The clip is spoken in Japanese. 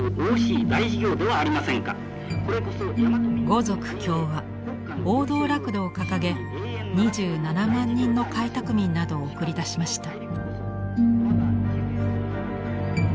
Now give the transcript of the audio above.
「五族協和」「王道楽土」を掲げ２７万人の開拓民などを送り出しました。